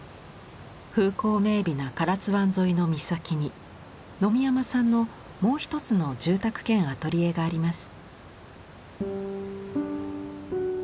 風光明美な唐津湾沿いの岬に野見山さんのもう一つの住宅兼アトリエがあります。